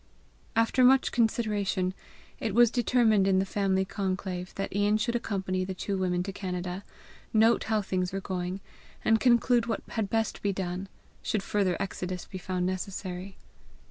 After much consideration, it was determined in the family conclave, that Ian should accompany the two women to Canada, note how things were going, and conclude what had best be done, should further exodus be found necessary.